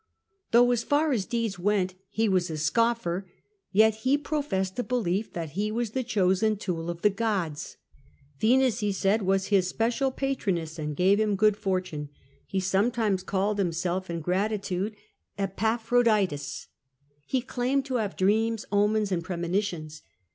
Though, as far as deeds went, he was a scoffer, yet he professed a belief that he was the chosen tool of the gods. Venus, he said, was his special patroness, and gave him good fortune ; he sometimes called himself in grati THE YOUTH OF SULLA 119 tilde Epapliroditus." He claimed to liave dreams, omens, and premonitions.